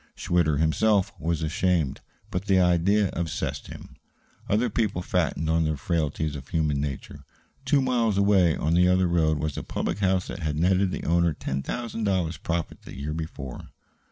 Schwitter himself was ashamed; but the idea obsessed him. Other people fattened on the frailties of human nature. Two miles away, on the other road, was a public house that had netted the owner ten thousand dollars profit the year before.